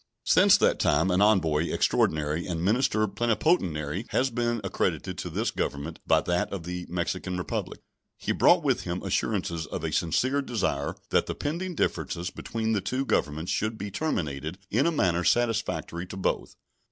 Since that time an envoy extraordinary and minister plenipotentiary has been accredited to this Government by that of the Mexican Republic. He brought with him assurances of a sincere desire that the pending differences between the two Governments should be terminated in a manner satisfactory to both.